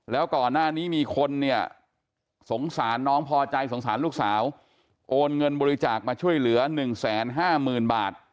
แล้วก่อนหน้านี้มีคนเนี่ยสงสารน้องพอใจสงสารลูกสาวโอนเงินบริจาคมาช่วยเหลือ๑๕๐๐๐บาท